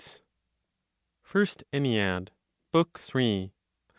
FIRST ENNEAD, BOOK THREE.